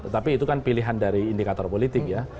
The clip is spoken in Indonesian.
tapi itu kan pilihan dari indikator politik ya